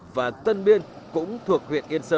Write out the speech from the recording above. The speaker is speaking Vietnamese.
cột điện của cái ấy này